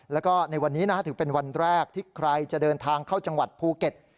แล้วก็ในวันนี้ถือเป็นวันแรกที่ใครจะเดินทางเข้าจังหวัดภูเก็ต